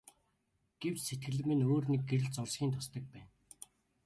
Гэвч сэтгэлд минь өөр нэг гэрэл зурсхийн тусдаг байна.